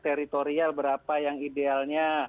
teritorial berapa yang idealnya